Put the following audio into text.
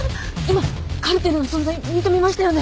今カルテルの存在認めましたよね。